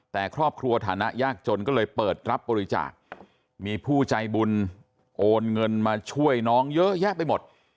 แต่ครอบครัวฐานะยากจนก็เลยเปิดรับบริจาคมีผู้ใจบุญโอนเงินมาช่วยน้องเยอะแยะไปหมด